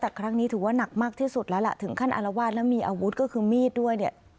แต่ครั้งนี้ถือว่าหนักมากที่สุดแล้วล่ะถึงขั้นอารวาสแล้วมีอาวุธก็คือมีดด้วยเนี่ย